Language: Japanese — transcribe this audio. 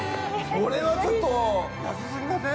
これはちょっと安すぎません？